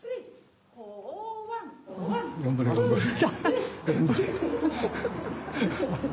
頑張れ頑張れ。